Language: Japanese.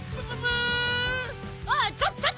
あっちょっと！